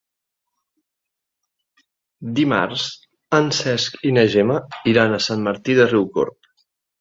Dimarts en Cesc i na Gemma iran a Sant Martí de Riucorb.